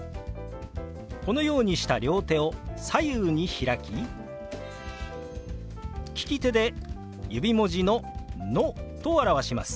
このようにした両手を左右に開き利き手で指文字の「ノ」と表します。